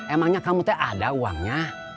emangnya kamu tuh ada uangnya